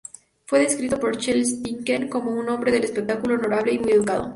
Fue descrito por Charles Dickens como "un hombre del espectáculo honorable y muy educado".